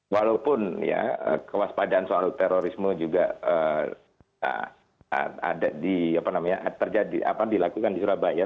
walaupun kewaspadaan soal terorisme juga terjadi dilakukan di surabaya